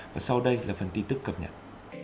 và sau đây là phần tin tức cập nhật